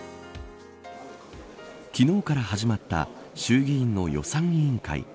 昨日から始まった衆議院の予算委員会。